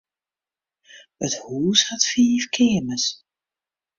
It hús hat fiif keamers.